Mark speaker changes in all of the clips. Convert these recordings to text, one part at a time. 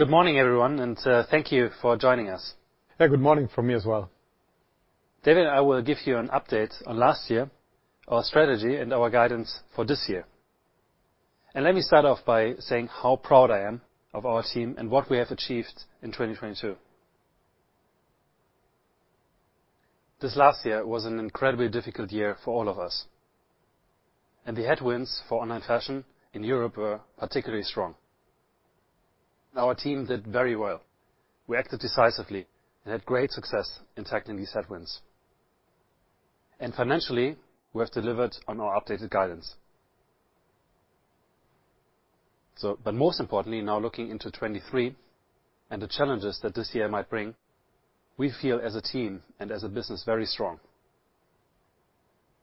Speaker 1: Good morning, everyone, and, thank you for joining us.
Speaker 2: Yeah, good morning from me as well.
Speaker 1: David and I will give you an update on last year, our strategy, and our guidance for this year. Let me start off by saying how proud I am of our team and what we have achieved in 2022. This last year was an incredibly difficult year for all of us, and the headwinds for online fashion in Europe were particularly strong. Our team did very well. We acted decisively and had great success in tackling these headwinds. Financially, we have delivered on our updated guidance. Most importantly, now looking into 2023 and the challenges that this year might bring, we feel as a team and as a business, very strong.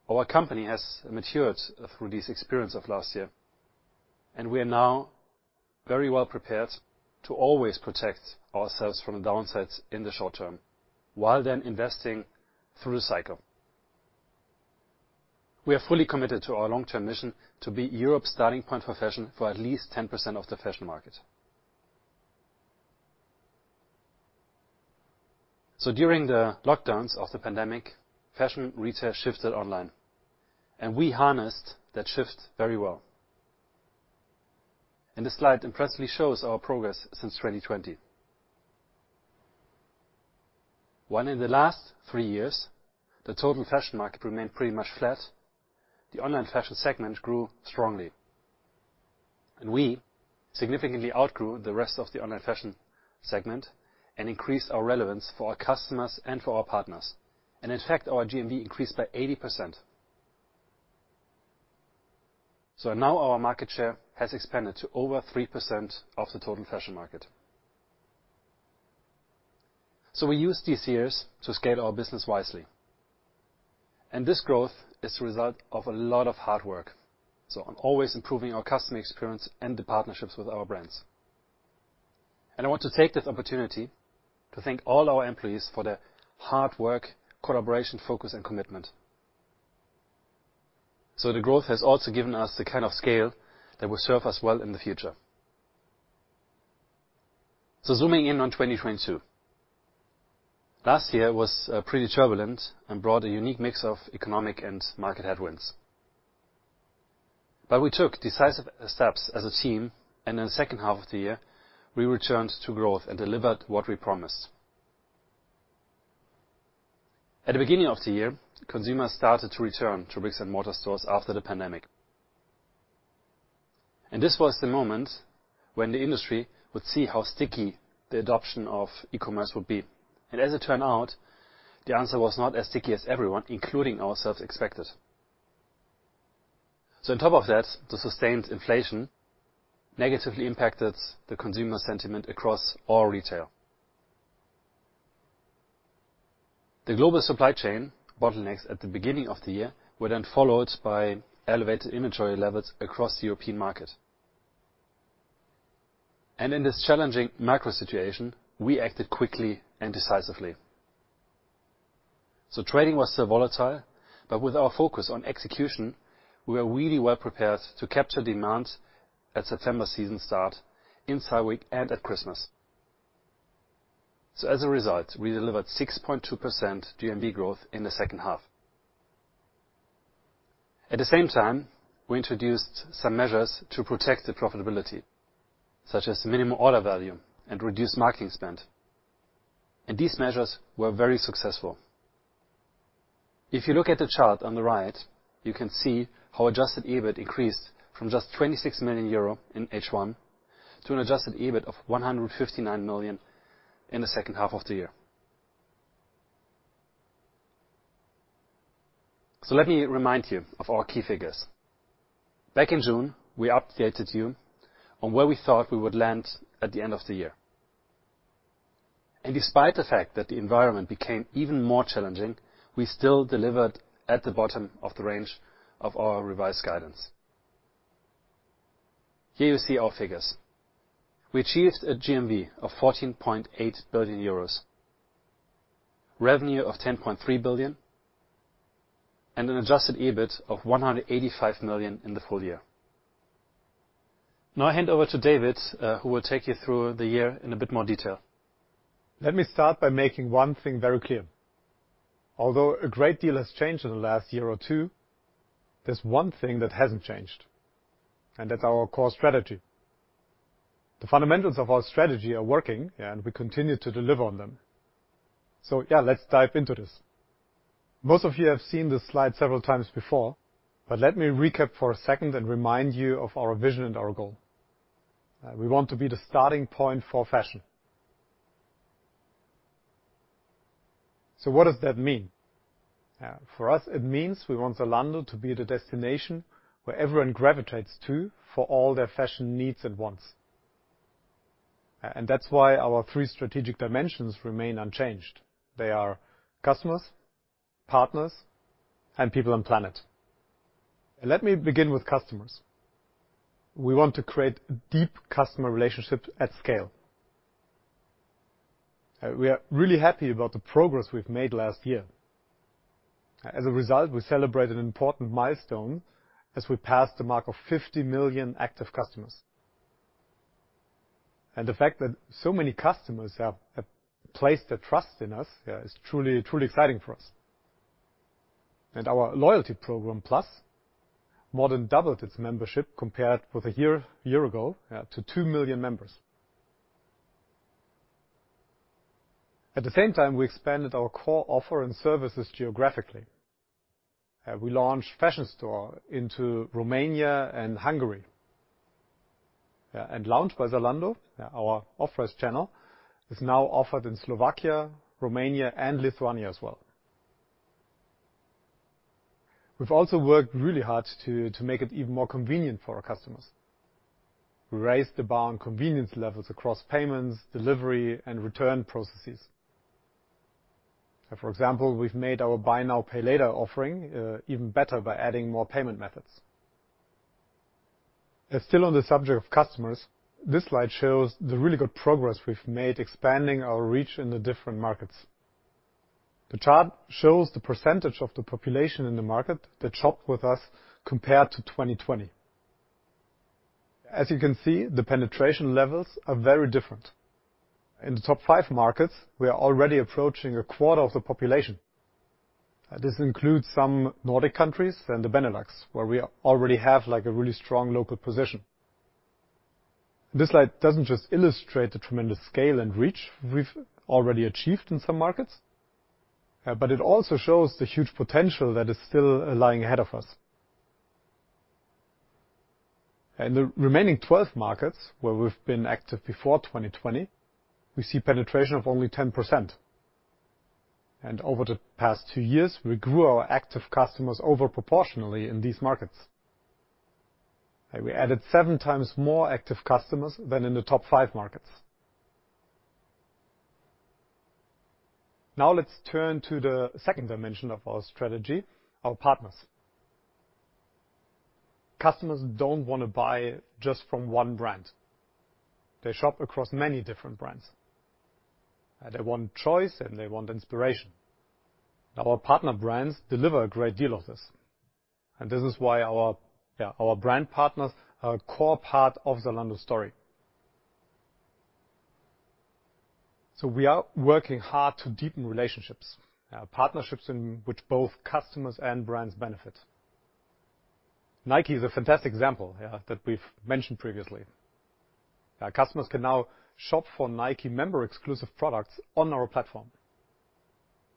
Speaker 1: Our company has matured through this experience of last year, and we are now very well prepared to always protect ourselves from the downsides in the short term while then investing through the cycle. We are fully committed to our long-term mission to be Europe's starting point for fashion for at least 10% of the fashion market. During the lockdowns of the pandemic, fashion retail shifted online, and we harnessed that shift very well. This slide impressively shows our progress since 2020. When in the last three years the total fashion market remained pretty much flat, the online fashion segment grew strongly. We significantly outgrew the rest of the online fashion segment and increased our relevance for our customers and for our partners. In fact, our GMV increased by 80%. Now our market share has expanded to over 3% of the total fashion market. We used these years to scale our business wisely. This growth is the result of a lot of hard work, always improving our customer experience and the partnerships with our brands. I want to take this opportunity to thank all our employees for their hard work, collaboration, focus and commitment. The growth has also given us the kind of scale that will serve us well in the future. Zooming in on 2022. Last year was pretty turbulent and brought a unique mix of economic and market headwinds. We took decisive steps as a team, and in the second half of the year, we returned to growth and delivered what we promised. At the beginning of the year, consumers started to return to bricks and mortar stores after the pandemic. This was the moment when the industry would see how sticky the adoption of e-commerce would be. As it turned out, the answer was not as sticky as everyone, including ourselves, expected. On top of that, the sustained inflation negatively impacted the consumer sentiment across all retail. The global supply chain bottlenecks at the beginning of the year were then followed by elevated inventory levels across the European market. In this challenging macro situation, we acted quickly and decisively. Trading was still volatile, but with our focus on execution, we were really well prepared to capture demand at September season start in Cyber Week and at Christmas. As a result, we delivered 6.2% GMV growth in the second half. At the same time, we introduced some measures to protect the profitability, such as minimum order value and reduced marketing spend. These measures were very successful. If you look at the chart on the right, you can see how Adjusted EBIT increased from just 26 million euro in H1 to an Adjusted EBIT of 159 million in the second half of the year. Let me remind you of our key figures. Back in June, we updated you on where we thought we would land at the end of the year. Despite the fact that the environment became even more challenging, we still delivered at the bottom of the range of our revised guidance. Here you see our figures. We achieved a GMV of 14.8 billion euros, revenue of 10.3 billion and an Adjusted EBIT of 185 million in the full year. I hand over to David, who will take you through the year in a bit more detail.
Speaker 2: Let me start by making one thing very clear. Although a great deal has changed in the last year or two, there's one thing that hasn't changed, and that's our core strategy. The fundamentals of our strategy are working, and we continue to deliver on them. Yeah, let's dive into this. Most of you have seen this slide several times before, let me recap for a second and remind you of our vision and our goal. We want to be the starting point for fashion. What does that mean? For us, it means we want Zalando to be the destination where everyone gravitates to for all their fashion needs at once. That's why our three strategic dimensions remain unchanged. They are customers, partners and people on planet. Let me begin with customers. We want to create deep customer relationships at scale. We are really happy about the progress we've made last year. As a result, we celebrated an important milestone as we passed the mark of 50 million active customers. The fact that so many customers have placed their trust in us is truly exciting for us. Our loyalty program. Plus, more than doubled its membership compared with a year ago to 2 million members. At the same time, we expanded our core offer and services geographically. We launched Fashion Store into Romania and Hungary. Lounge by Zalando, our offers channel, is now offered in Slovakia, Romania, and Lithuania as well. We've also worked really hard to make it even more convenient for our customers. We raised the bar on convenience levels across payments, delivery, and return processes. For example, we've made our buy now, pay later offering even better by adding more payment methods. Still on the subject of customers, this slide shows the really good progress we've made expanding our reach in the different markets. The chart shows the percentage of the population in the market that shopped with us compared to 2020. As you can see, the penetration levels are very different. In the top five markets, we are already approaching a quarter of the population. This includes some Nordic countries and the Benelux, where we already have, like, a really strong local position. This slide doesn't just illustrate the tremendous scale and reach we've already achieved in some markets, but it also shows the huge potential that is still lying ahead of us. In the remaining 12 markets, where we've been active before 2020, we see penetration of only 10%. Over the past two years, we grew our active customers over proportionally in these markets. We added 7x more active customers than in the top five markets. Now let's turn to the second dimension of our strategy, our partners. Customers don't wanna buy just from one brand. They shop across many different brands. They want choice and they want inspiration. Our partner brands deliver a great deal of this. This is why our brand partners are a core part of Zalando story. We are working hard to deepen relationships, partnerships in which both customers and brands benefit. Nike is a fantastic example that we've mentioned previously. Customers can now shop for Nike member exclusive products on our platform.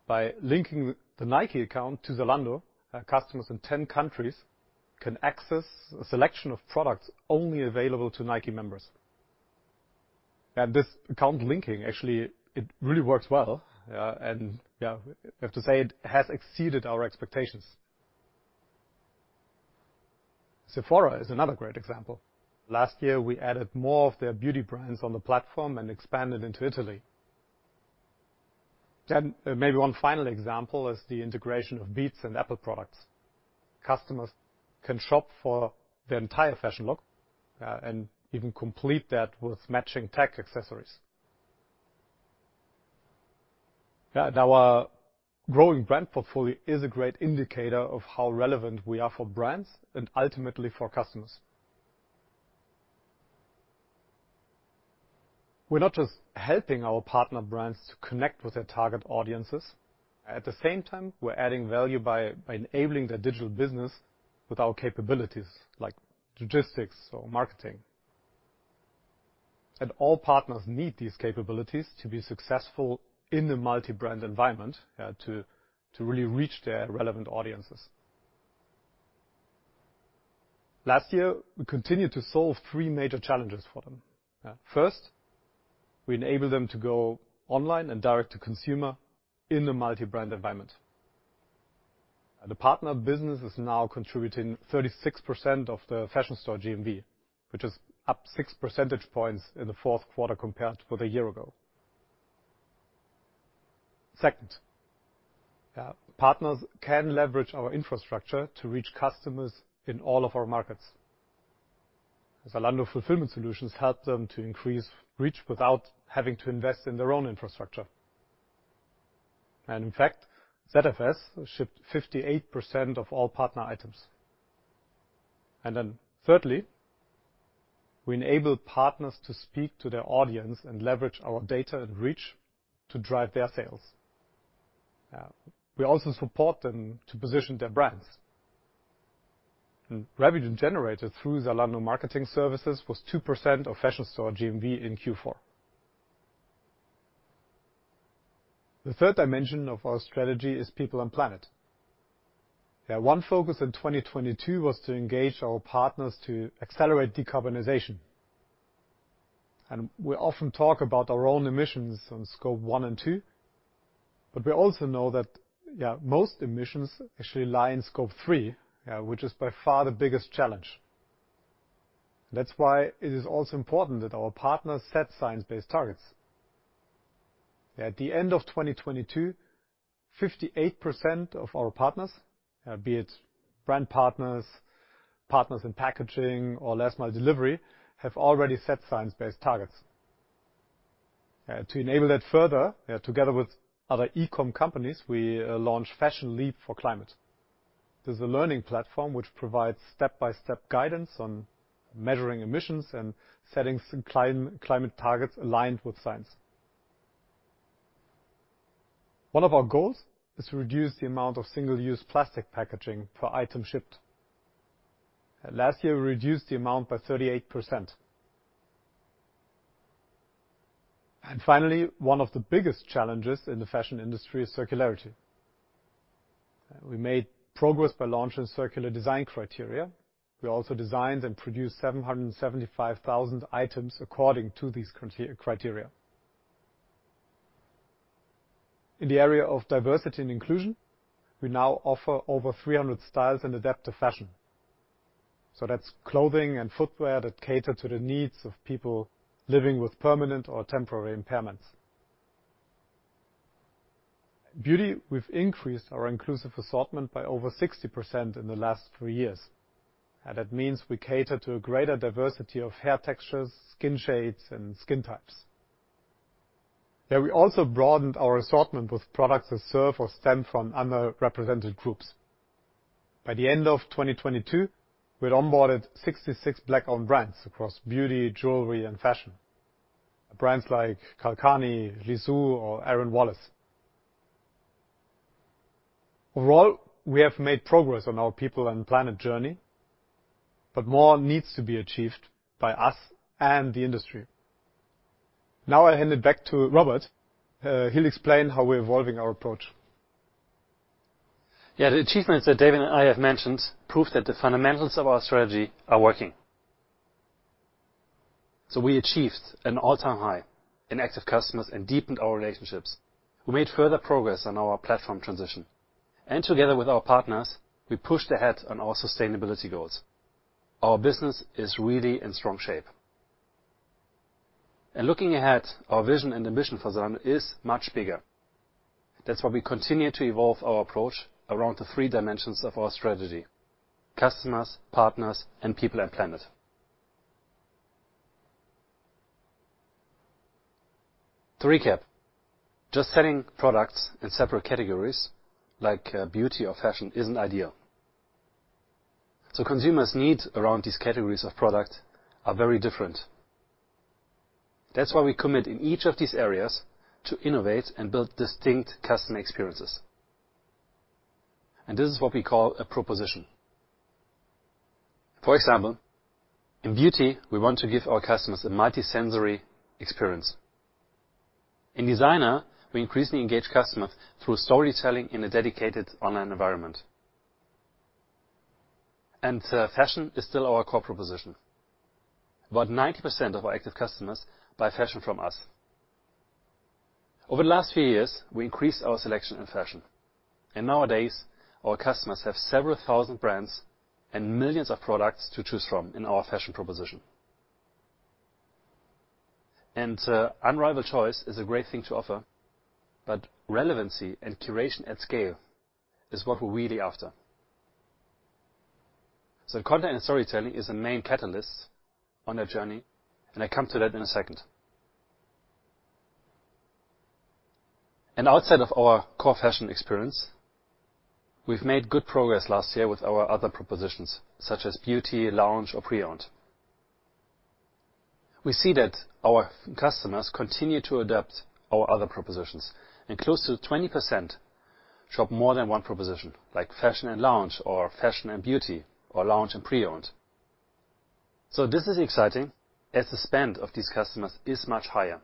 Speaker 2: By linking the Nike account to Zalando, customers in 10 countries can access a selection of products only available to Nike members. This account linking actually it really works well. Yeah, I have to say it has exceeded our expectations. Sephora is another great example. Last year, we added more of their beauty brands on the platform and expanded into Italy. Maybe one final example is the integration of Beats and Apple products. Customers can shop for their entire fashion look, and even complete that with matching tech accessories. Our growing brand portfolio is a great indicator of how relevant we are for brands and ultimately for customers. We're not just helping our partner brands to connect with their target audiences. At the same time, we're adding value by enabling their digital business with our capabilities, like logistics or marketing. All partners need these capabilities to be successful in a multi-brand environment to really reach their relevant audiences. Last year, we continued to solve three major challenges for them. First, we enable them to go online and direct to consumer in a multi-brand environment. The partner business is now contributing 36% of the Fashion Store GMV, which is up 6 percentage points in the fourth quarter compared with a year ago. Second, partners can leverage our infrastructure to reach customers in all of our markets. Zalando Fulfillment Solutions help them to increase reach without having to invest in their own infrastructure. In fact, ZFS shipped 58% of all partner items. Thirdly, we enable partners to speak to their audience and leverage our data and reach to drive their sales. We also support them to position their brands. Revenue generated through Zalando Marketing Services was 2% of Fashion Store GMV in Q4. The third dimension of our strategy is people and planet. One focus in 2022 was to engage our partners to accelerate decarbonization. We often talk about our own emissions on Scope 1 and 2, but we also know that, yeah, most emissions actually lie in Scope 3, which is by far the biggest challenge. That's why it is also important that our partners set Science Based Targets. At the end of 2022, 58% of our partners, be it brand partners in packaging or last mile delivery, have already set Science Based Targets. To enable that further, together with other e-com companies, we launched Fashion LEAP for Climate. This is a learning platform which provides step-by-step guidance on measuring emissions and setting climate targets aligned with science. One of our goals is to reduce the amount of single-use plastic packaging per item shipped. Last year, we reduced the amount by 38%. Finally, one of the biggest challenges in the fashion industry is circularity. We made progress by launching circular design criteria. We also designed and produced 775,000 items according to these criteria. In the area of diversity and inclusion, we now offer over 300 styles in adaptive fashion. That's clothing and footwear that cater to the needs of people living with permanent or temporary impairments. In beauty, we've increased our inclusive assortment by over 60% in the last three years. That means we cater to a greater diversity of hair textures, skin shades, and skin types. We also broadened our assortment with products that serve or stem from underrepresented groups. By the end of 2022, we'd onboarded 66 Black-owned brands across beauty, jewelry, and fashion. Brands like Karl Kani, Lisou, or Aaron Wallace. Overall, we have made progress on our people and planet journey, but more needs to be achieved by us and the industry. Now I hand it back to Robert. He'll explain how we're evolving our approach.
Speaker 1: The achievements that David and I have mentioned prove that the fundamentals of our strategy are working. We achieved an all-time high in active customers and deepened our relationships. We made further progress on our platform transition, and together with our partners, we pushed ahead on our sustainability goals. Our business is really in strong shape. Looking ahead, our vision and ambition for Zalando is much bigger. That's why we continue to evolve our approach around the three dimensions of our strategy: customers, partners, and people and planet. To recap, just selling products in separate categories like beauty or fashion isn't ideal. Consumers' needs around these categories of product are very different. That's why we commit in each of these areas to innovate and build distinct customer experiences. This is what we call a proposition. For example, in beauty, we want to give our customers a multi-sensory experience. In designer, we increasingly engage customers through storytelling in a dedicated online environment. Fashion is still our core proposition. About 90% of our active customers buy fashion from us. Over the last few years, we increased our selection in fashion. Nowadays, our customers have several thousand brands and millions of products to choose from in our fashion proposition. Unrivaled choice is a great thing to offer, but relevancy and curation at scale is what we're really after. Content and storytelling is a main catalyst on their journey, and I come to that in a second. Outside of our core fashion experience, we've made good progress last year with our other propositions, such as beauty, Lounge, or Pre-owned. We see that our customers continue to adapt our other propositions. Close to 20% shop more than one proposition, like fashion and lounge, or fashion and beauty, or lounge and Pre-owned. This is exciting, as the spend of these customers is much higher.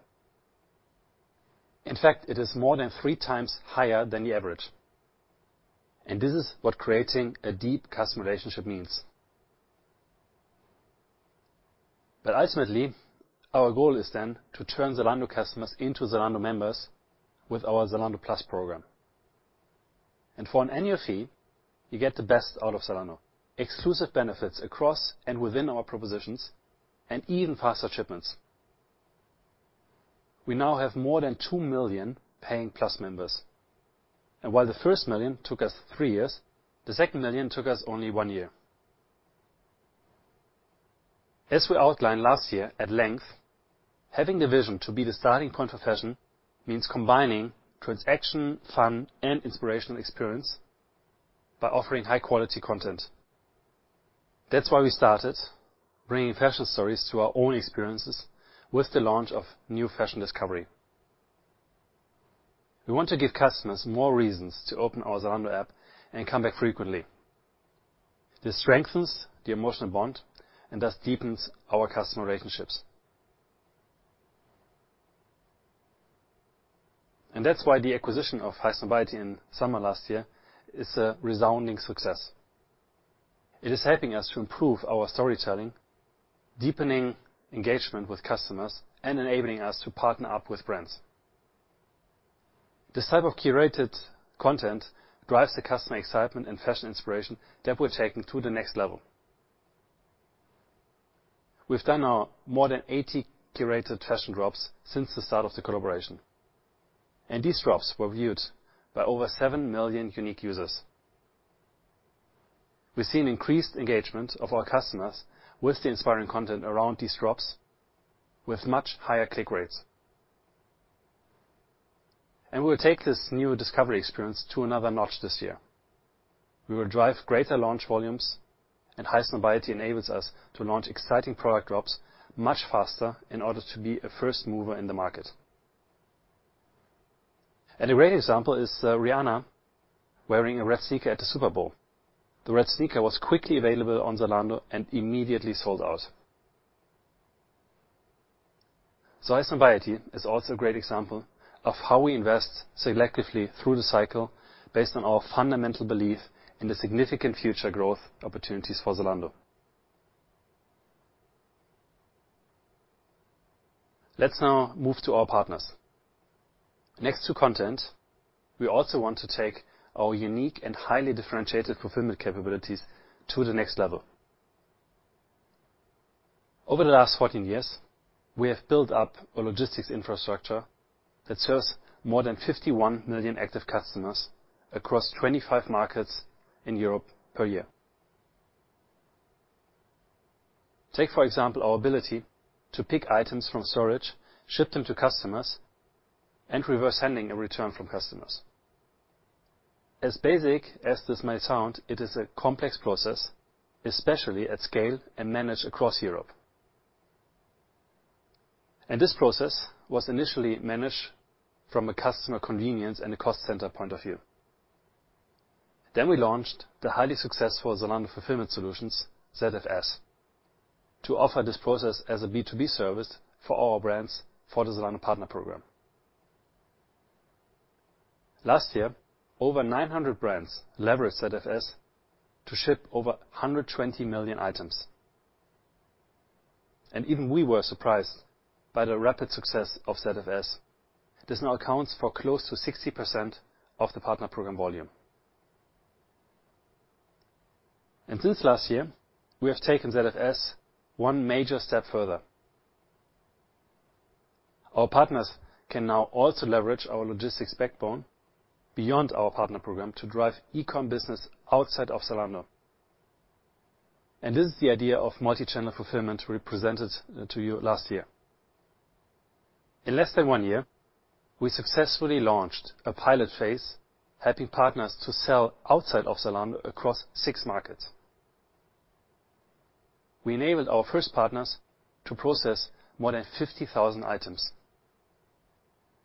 Speaker 1: In fact, it is more than 3x higher than the average. This is what creating a deep customer relationship means. Ultimately, our goal is then to turn Zalando customers into Zalando members with our Zalando Plus program. For an annual fee, you get the best out of Zalando, exclusive benefits across and within our propositions, and even faster shipments. We now have more than 2 million paying Plus members. While the first million took us three years, the second million took us only one year. As we outlined last year at length, having the vision to be the starting point of fashion means combining transaction, fun, and inspirational experience by offering high-quality content. That's why we started bringing fashion stories to our own experiences with the launch of new fashion discovery. We want to give customers more reasons to open our Zalando app and come back frequently. This strengthens the emotional bond and thus deepens our customer relationships. That's why the acquisition of Highsnobiety in summer last year is a resounding success. It is helping us to improve our storytelling, deepening engagement with customers, and enabling us to partner up with brands. This type of curated content drives the customer excitement and fashion inspiration that we're taking to the next level. We've done now more than 80 curated fashion drops since the start of the collaboration, These drops were viewed by over 7 million unique users. We've seen increased engagement of our customers with the inspiring content around these drops with much higher click rates. We'll take this new discovery experience to another notch this year. We will drive greater launch volumes, Highsnobiety enables us to launch exciting product drops much faster in order to be a first mover in the market. A great example is Rihanna wearing a red sneaker at the Super Bowl. The red sneaker was quickly available on Zalando and immediately sold out. Highsnobiety is also a great example of how we invest selectively through the cycle based on our fundamental belief in the significant future growth opportunities for Zalando. Let's now move to our partners. Next to content, we also want to take our unique and highly differentiated fulfillment capabilities to the next level. Over the last 14 years, we have built up a logistics infrastructure that serves more than 51 million active customers across 25 markets in Europe per year. Take, for example, our ability to pick items from storage, ship them to customers, and reverse sending a return from customers. As basic as this may sound, it is a complex process, especially at scale and managed across Europe. This process was initially managed from a customer convenience and a cost center point of view. We launched the highly successful Zalando Fulfillment Solutions, ZFS, to offer this process as a B2B service for our brands for the Zalando Partner Program. Last year, over 900 brands leveraged ZFS to ship over 120 million items. Even we were surprised by the rapid success of ZFS. This now accounts for close to 60% of the Partner Program volume. Since last year, we have taken ZFS one major step further. Our partners can now also leverage our logistics backbone beyond our Partner Program to drive e-com business outside of Zalando. This is the idea of multichannel fulfillment we presented to you last year. In less than one year, we successfully launched a pilot phase, helping partners to sell outside of Zalando across six markets. We enabled our first partners to process more than 50,000 items.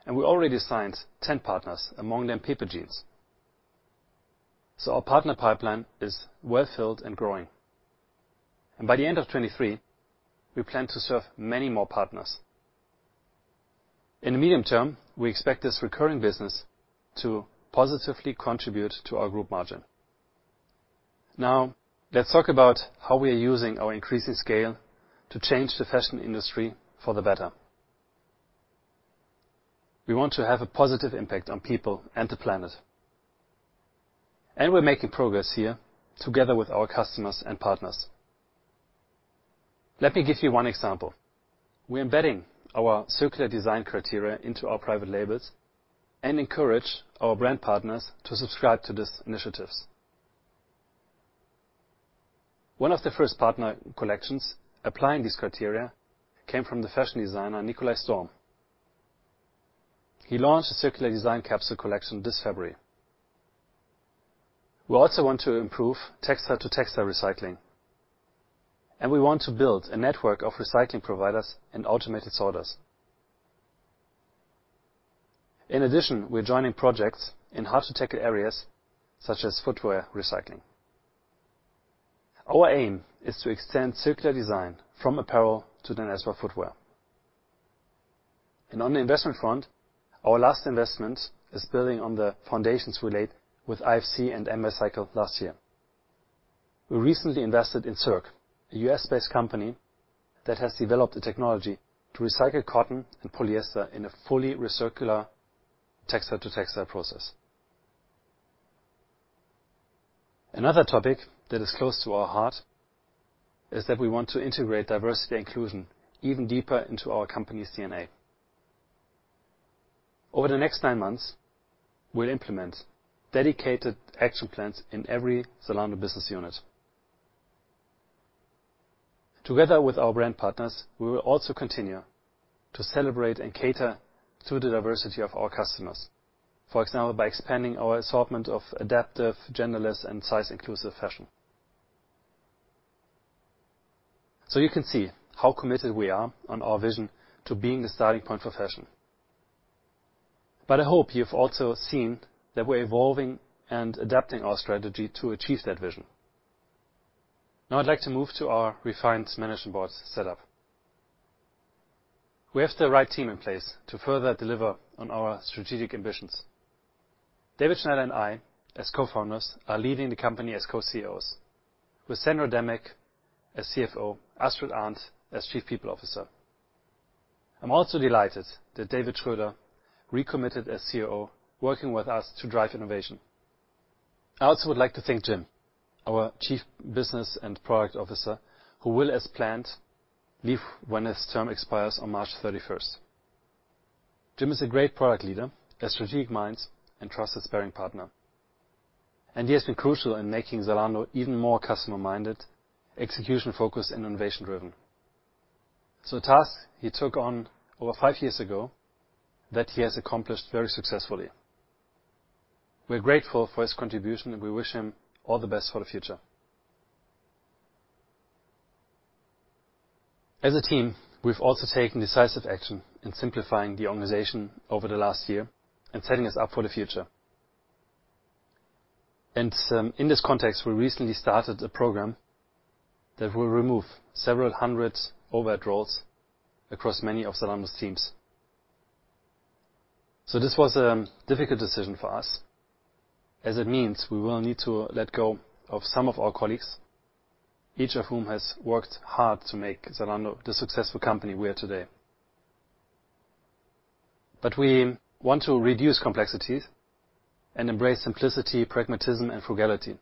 Speaker 1: We already signed 10 partners, among them Pepe Jeans. Our partner pipeline is well filled and growing. By the end of 2023, we plan to serve many more partners. In the medium term, we expect this recurring business to positively contribute to our group margin. Now, let's talk about how we are using our increasing scale to change the fashion industry for the better. We want to have a positive impact on people and the planet. We're making progress here together with our customers and partners. Let me give you one example. We're embedding our circular design criteria into our private labels and encourage our brand partners to subscribe to these initiatives. One of the first partner collections applying these criteria came from the fashion designer Nikolaj Storm. He launched a circular design capsule collection this February. We also want to improve textile to textile recycling, and we want to build a network of recycling providers and automated sorters. In addition, we're joining projects in hard to tackle areas such as footwear recycling. Our aim is to extend circular design from apparel to then as well footwear. On the investment front, our last investment is building on the foundations we laid with IFC and Ambercycle last year. We recently invested in Circ, a U.S.-based company that has developed the technology to recycle cotton and polyester in a fully recircular textile to textile process. Another topic that is close to our heart is that we want to integrate diversity and inclusion even deeper into our company's DNA. Over the next nine months, we'll implement dedicated action plans in every Zalando business unit. Together with our brand partners, we will also continue to celebrate and cater to the diversity of our customers. For example, by expanding our assortment of adaptive, genderless, and size-inclusive fashion. You can see how committed we are on our vision to being the starting point for fashion. I hope you've also seen that we're evolving and adapting our strategy to achieve that vision. I'd like to move to our refined management board setup. We have the right team in place to further deliver on our strategic ambitions. David Schneider and I, as cofounders, are leading the company as co-CEOs, with Sandra Dembeck as CFO, Astrid Arndt as Chief People Officer. I'm also delighted that David Schröder recommitted as CEO working with us to drive innovation. I also would like to thank Jim, our Chief Business and Product Officer, who will as planned, leave when his term expires on March 31st. Jim is a great product leader, a strategic mind, and trusted sparring partner, and he has been crucial in making Zalando even more customer-minded, execution-focused, and innovation-driven. A task he took on over five years ago that he has accomplished very successfully. We're grateful for his contribution, and we wish him all the best for the future. As a team, we've also taken decisive action in simplifying the organization over the last year and setting us up for the future. In this context, we recently started a program that will remove several hundred overhead roles across many of Zalando's teams. This was a difficult decision for us, as it means we will need to let go of some of our colleagues, each of whom has worked hard to make Zalando the successful company we are today. We want to reduce complexities and embrace simplicity, pragmatism, and frugality.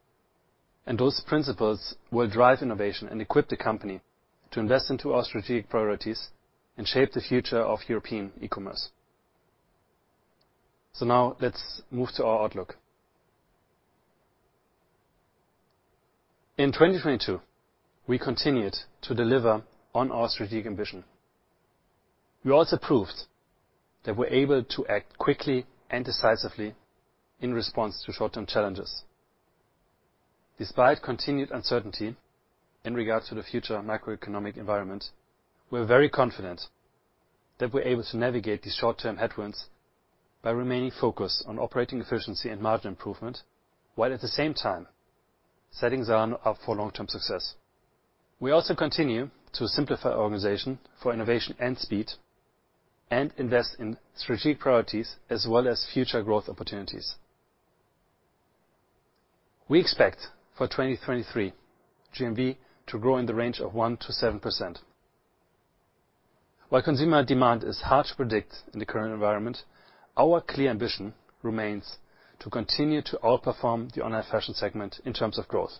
Speaker 1: Those principles will drive innovation and equip the company to invest into our strategic priorities and shape the future of European e-commerce. Now let's move to our outlook. In 2022, we continued to deliver on our strategic ambition. We also proved that we're able to act quickly and decisively in response to short-term challenges. Despite continued uncertainty in regards to the future macroeconomic environment, we're very confident that we're able to navigate these short-term headwinds by remaining focused on operating efficiency and margin improvement, while at the same time, setting Zalando up for long-term success. We also continue to simplify our organization for innovation and speed and invest in strategic priorities as well as future growth opportunities. We expect for 2023 GMV to grow in the range of 1%-7%. While consumer demand is hard to predict in the current environment, our clear ambition remains to continue to outperform the online fashion segment in terms of growth.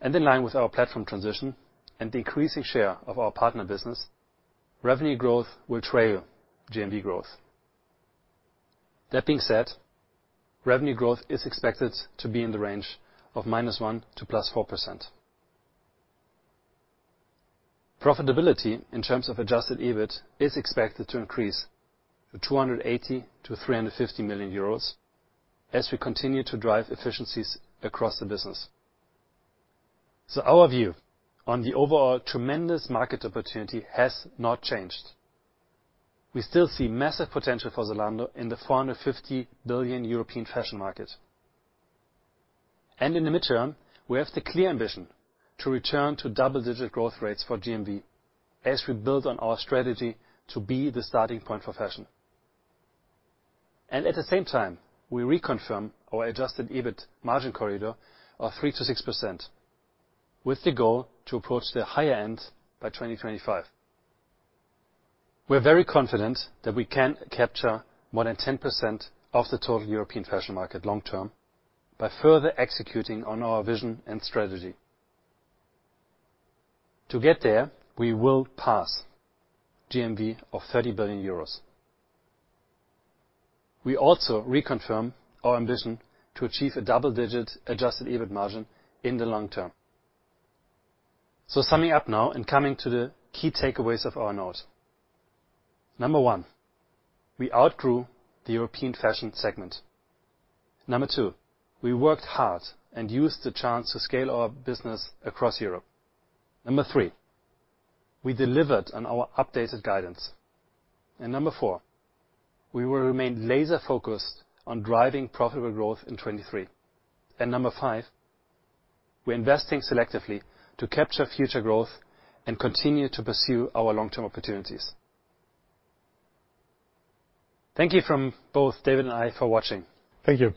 Speaker 1: In line with our platform transition and the increasing share of our partner business, revenue growth will trail GMV growth. That being said, revenue growth is expected to be in the range of -1% to +4%. Profitability in terms of Adjusted EBIT is expected to increase to 280-350 million euros as we continue to drive efficiencies across the business. Our view on the overall tremendous market opportunity has not changed. We still see massive potential for Zalando in the 450 billion European fashion market. In the midterm, we have the clear ambition to return to double-digit growth rates for GMV as we build on our strategy to be the starting point for fashion. At the same time, we reconfirm our Adjusted EBIT margin corridor of 3%-6%, with the goal to approach the higher end by 2025. We're very confident that we can capture more than 10% of the total European fashion market long term by further executing on our vision and strategy. To get there, we will pass GMV of 30 billion euros. We also reconfirm our ambition to achieve a double-digit Adjusted EBIT margin in the long term. Summing up now and coming to the key takeaways of our note. Number one, we outgrew the European fashion segment. Number two, we worked hard and used the chance to scale our business across Europe. Number three, we delivered on our updated guidance. Number four, we will remain laser-focused on driving profitable growth in 2023. Number five, we're investing selectively to capture future growth and continue to pursue our long-term opportunities. Thank you from both David and I for watching. Thank you.